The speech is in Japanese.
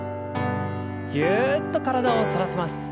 ぎゅっと体を反らせます。